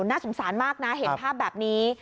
น่าสงสารมากนะเห็นภาพแบบนี้